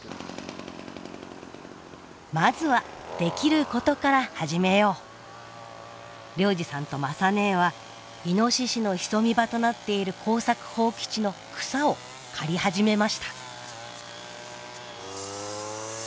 まずはできることから始めよう良治さんと雅ねえはイノシシの潜み場となっている耕作放棄地の草を刈り始めました。